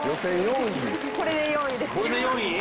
これで４位です。